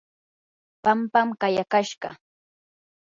pampam kayakashqa.